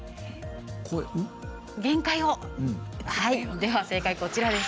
では、正解こちらです。